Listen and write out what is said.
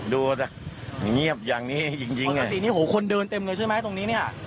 ดูสิเงียบอย่างนี้จริงปกตินี้โหคนเดินเต็มเลยใช่ไหมตรงนี้เนี่ย